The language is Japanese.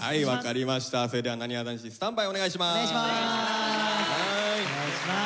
それではなにわ男子スタンバイお願いします。